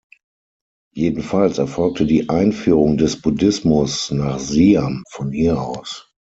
Jedenfalls erfolgte die Einführung des Buddhismus nach Siam von hier aus.